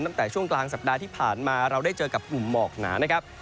ตั้งแต่ช่วงกลางสัปดาห์ที่ผ่านมาเราได้เจอกับกลุ่มหมอกหนานะครับ